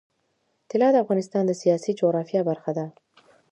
طلا د افغانستان د سیاسي جغرافیه برخه ده.